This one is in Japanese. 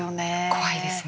怖いですね。